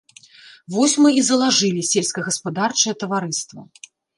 Вось мы і залажылі сельскагаспадарчае таварыства.